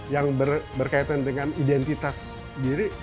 yang berkaitan dengan identitas diri